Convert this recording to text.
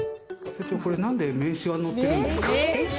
なんで名刺がのってるんですか？